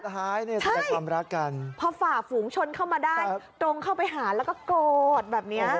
แสดงความรักกันพอฝ่าฝูงชนเข้ามาได้ตรงเข้าไปหาแล้วก็โกรธแบบเนี้ย